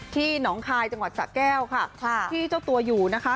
หนองคายจังหวัดสะแก้วค่ะที่เจ้าตัวอยู่นะคะ